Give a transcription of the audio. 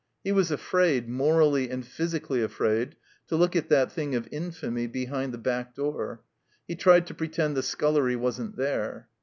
He was afraid, morally and physically afraid, to look at that thing of infamy behind the back door. He tried to pretend the scullery wasn't there.